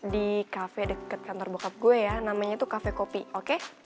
di kafe deket kantor bokap gue ya namanya tuh kafe kopi oke